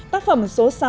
tác phẩm số sáu